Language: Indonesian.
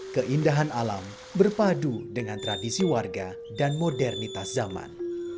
keindahan alam berpadu dengan tradisi warga dan modernitas zaman